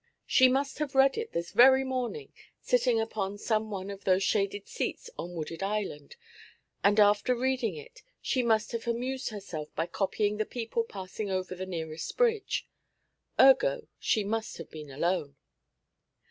She must have read it this very morning, sitting upon some one of those shaded seats on Wooded Island, and after reading it she must have amused herself by copying the people passing over the nearest bridge. Ergo, she must have been alone.'